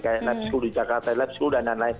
kayak lab school di jakarta live schoo dan lain lain